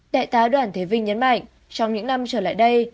đại tá đoàn thế vinh nhấn mạnh trong những năm trở lại đây